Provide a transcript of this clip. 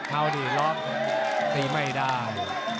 เอาดิล็อกตีไม่ได้